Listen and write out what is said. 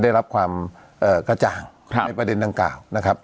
ได้รับความกระจ่างในประเด็นดังกล่าวนะครับ